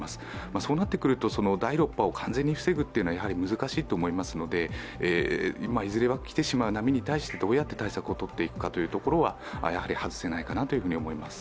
そうなってくると、第６波を完全に防ぐというのは難しいと思いますのでいずれは来てしまう波に対して、どうやって対策を取っていくかというのは外せないかなと思います。